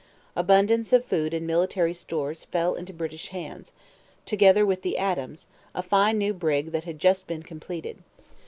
Abundance of food and military stores fell into British hands, together with the Adams, a fine new brig that had just been completed.